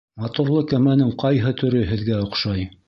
Моторлы кәмәнең ҡайһы төрө һеҙгә оҡшай